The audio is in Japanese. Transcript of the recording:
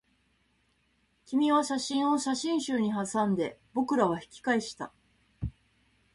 君は写真を写真集にはさんで、僕らは引き返した